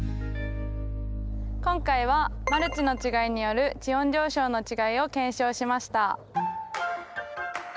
今回はマルチの違いによる地温上昇の違いを検証しました。